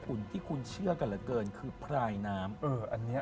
คือกูเชื่อกันเกินคือพรายน้ำ